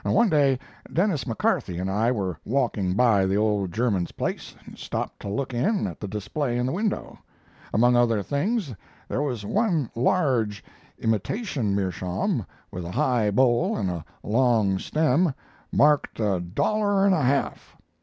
"One day Denis McCarthy and I were walking by the old German's place, and stopped to look in at the display in the window. Among other things there was one large imitation meerschaum with a high bowl and a long stem, marked a dollar and a half.